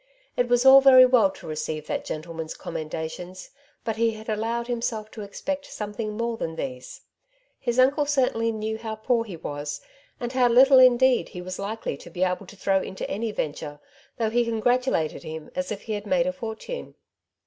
It was all very well to receive that gentleman's com mendations, but he had allowed himself to expect something more than these. His uncle certainly knew how poor he was, and how little indeed he was likely to be able to throw into any venture, though he congratulated him as if he had made a fortune.